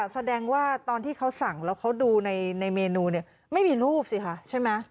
แสดงว่าตอนที่เขาสั่งแล้วเขาดูในเมนูเนี่ยไม่มีรูปสิคะใช่ไหม